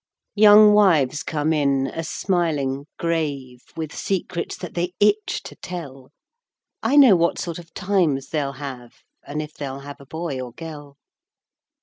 Young wives come in, a smiling, grave, With secrets that they itch to tell: I know what sort of times they'll have, And if they'll have a boy or gell.